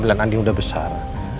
bila andin udah besar